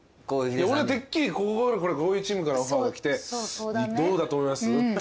俺はてっきり「こういうチームからオファーがきてどうだと思います？」とか。